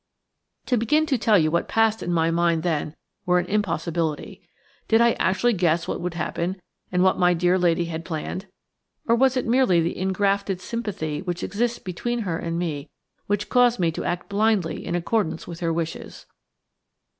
To begin to tell you what passed in my mind then were an impossibility. Did I actually guess what would happen, and what my dear lady had planned? Or was it merely the ingrafted sympathy which exists between her and me which caused me to act blindly in accordance with her wishes?